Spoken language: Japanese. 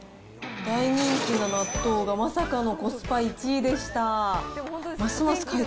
大人気の納豆がまさかのコスパ１位でした。